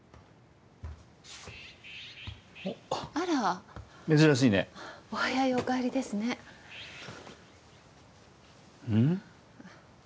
あら珍しいねお早いお帰りですねうん？